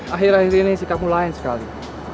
akhir akhir ini sikapmu lain sekali